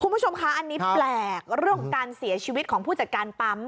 คุณผู้ชมคะอันนี้แปลกเรื่องของการเสียชีวิตของผู้จัดการปั๊ม